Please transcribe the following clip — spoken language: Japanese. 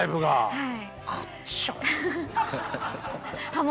はい。